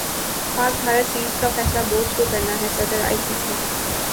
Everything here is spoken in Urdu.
پاک بھارت سیریز کا فیصلہ بورڈ زکو کرنا ہےصدر ائی سی سی